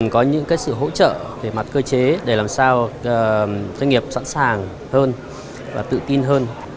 có những sự hỗ trợ về mặt cơ chế để làm sao doanh nghiệp sẵn sàng hơn và tự tin hơn